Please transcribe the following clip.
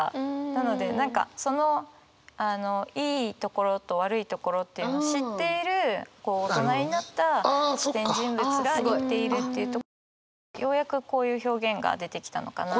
なので何かそのいいところと悪いところというのを知っているこう大人になった視点人物が言っているっていうところでようやくこういう表現が出てきたのかな。